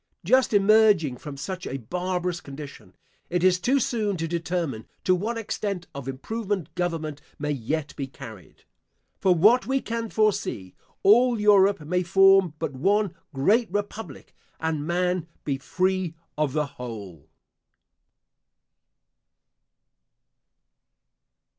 Just emerging from such a barbarous condition, it is too soon to determine to what extent of improvement government may yet be carried. For what we can foresee, all Europe may form but one great Republic, and man be free of the whole.